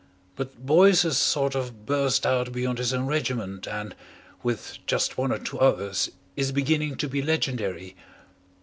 But Boyce has sort of burst out beyond his own regiment and, with just one or two others, is beginning to be legendary.